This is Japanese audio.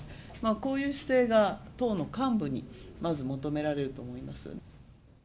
こういう姿勢が、党の幹部にまず求められると思います。